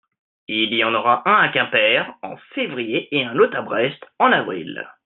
il y en aura un à Quimper en février et un autre à Brest en avril.